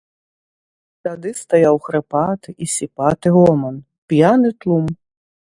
Тады стаяў хрыпаты і сіпаты гоман, п'яны тлум.